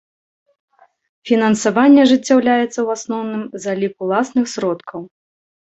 Фінансаванне ажыццяўляецца ў асноўным за лік уласных сродкаў.